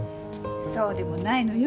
そうでもないのよ。